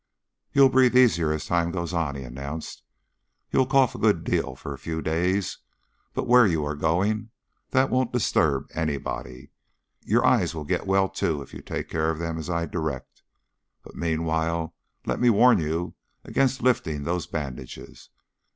"You'll breathe easier as time goes on," he announced. "You'll cough a good deal for a few days, but where you are going that won't disturb anybody. Your eyes will get well, too, if you take care of them as I direct. But, meanwhile, let me warn you against lifting those bandages.